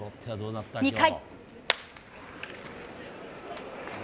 ２回。